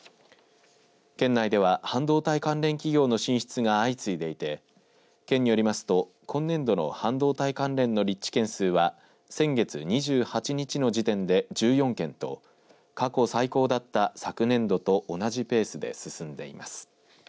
県内では半導体関連企業の進出が相次いでいて県によりますと、今年度の半導体関連の立地件数は先月２８日の時点で１４件と過去最高だった昨年度と同じペースで進んでいます。